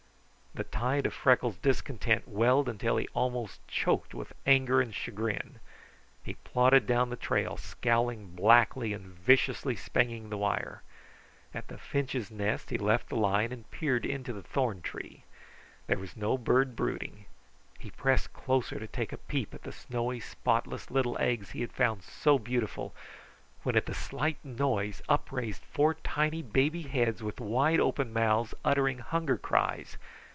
The tide of Freckles' discontent welled until he almost choked with anger and chagrin. He plodded down the trail, scowling blackly and viciously spanging the wire. At the finches' nest he left the line and peered into the thorn tree. There was no bird brooding. He pressed closer to take a peep at the snowy, spotless little eggs he had found so beautiful, when at the slight noise up raised four tiny baby heads with wide open mouths, uttering hunger cries.